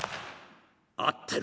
「合ってる」。